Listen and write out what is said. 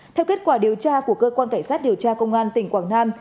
theo kết quả điều tra của cơ quan cảnh sát điều tra công an tỉnh quảng nam